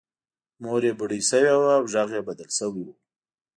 مور یې بوډۍ شوې وه او غږ یې بدل شوی و